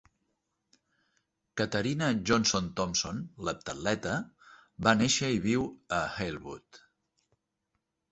Katarina Johnson-Thompson, l'heptatleta, va nàixer i viu a Halewood.